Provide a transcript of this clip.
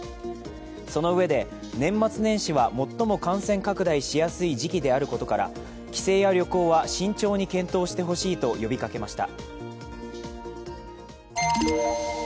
そのうえで年末年始は最も感染拡大しやすい時期であることから、帰省や旅行は慎重に検討してほしいと呼びかけました。